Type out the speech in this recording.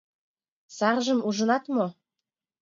Саржым ужынат мо?